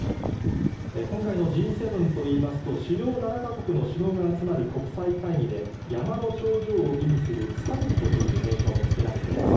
今回のＧ７といいますと、主要７か国の首脳が集まる国際会議で、山の頂上を意味するサミットという名称も付けられています。